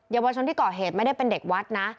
เยาวชนที่ก่อเหตุไม่ได้เป็นเด็กวัดนะ